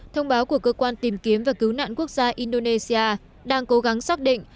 thông báo của cơ quan tìm kiếm và cứu nạn quốc gia indonesia đang cố gắng xác định